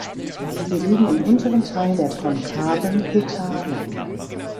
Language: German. Sie liegen im unteren Teil der konkaven Petalen.